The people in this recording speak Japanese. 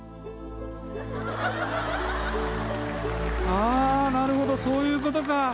ああなるほどそういう事か。